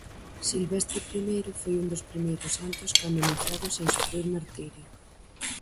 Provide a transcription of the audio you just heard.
Silvestre I foi un dos primeiros santos canonizados sen sufrir martirio.